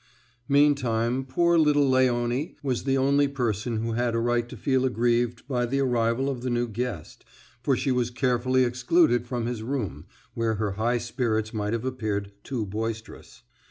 X Meantime, poor little Léonie was the only person who had a right to feel aggrieved by the arrival of the new guest, for she was carefully excluded from his room, where her high spirits might have appeared too boisterous.